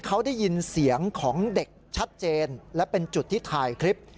เขาได้ยินเสียงของเด็กชัดเจนและเป็นจุดที่ถ่ายคลิป